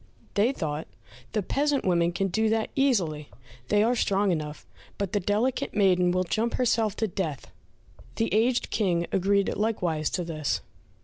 They thought, "The peasant women can do that easily; they are strong enough, but the delicate maiden will jump herself to death." The aged King agreed likewise to this.